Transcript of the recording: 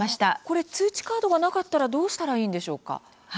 通知カードがなかったらどうしたらいいんでしょうか？